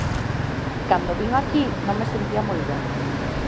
Cando vin aquí, non me sentía moi ben.